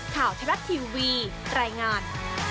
ข่าวทรัพย์ทีวีรายงาน